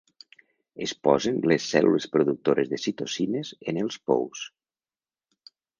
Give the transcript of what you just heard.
Es posen les cèl·lules productores de citocines en els pous.